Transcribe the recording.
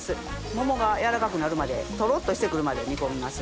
桃が軟らかくなるまでトロっとしてくるまで煮込みます。